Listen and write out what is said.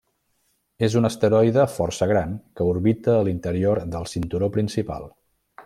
És un asteroide força gran que orbita a l'interior del cinturó principal.